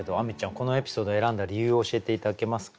このエピソードを選んだ理由を教えて頂けますか？